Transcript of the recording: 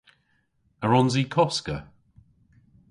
A wrons i koska?